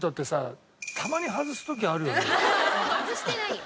外してないよ。